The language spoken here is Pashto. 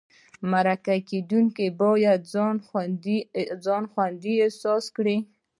مرکه کېدونکی باید ځان خوندي احساس کړي.